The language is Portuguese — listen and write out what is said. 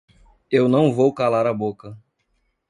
Eu não vou calar a boca!